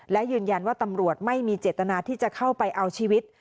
และยืนยันว่าตำรวจไม่มีเจตนาที่จะเข้าไปเอาชีวิต